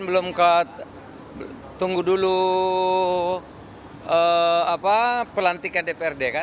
belum kan belum ke tunggu dulu pelantikan dprd kan